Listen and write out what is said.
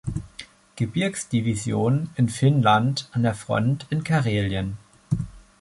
Gebirgs-Division in Finnland an der Front in Karelien.